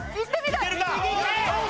いけるか？